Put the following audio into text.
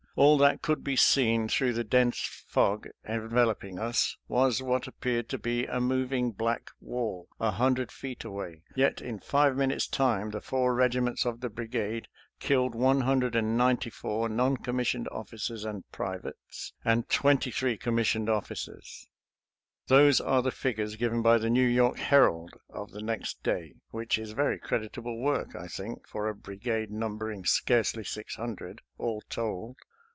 All that could be seen through the 260 SOLDIER'S LETTERS TO CHARMING NELLIE dense fog enveloping us was what appeared to be a moving black wall a hundred feet away; yet in five minutes' time the four regiments of the brigade killed one hundred and ninety four non commissioned ofl&cers and privates, and twenty three commissioned officers. Those are the figures given by the New York Herald of the next day, which is very creditable work, I think, for a brigade numbering scarcely six hundred, all told.